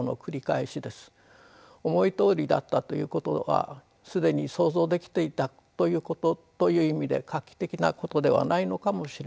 思いどおりだったということは既に想像できていたということという意味で画期的なことではないのかもしれません。